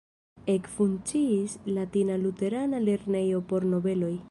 Ekfunkciis latina luterana lernejo por nobeloj.